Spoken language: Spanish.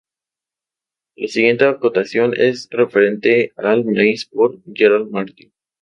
La siguiente acotación es referente al maíz por Gerald Martin.